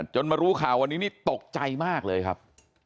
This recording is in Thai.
มารู้ข่าววันนี้นี่ตกใจมากเลยครับ